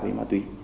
thì mà tùy